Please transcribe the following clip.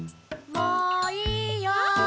・もういいよ。